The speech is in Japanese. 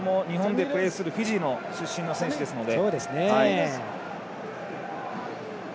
両選手とも日本でプレーするフィジー出身の選手ですので。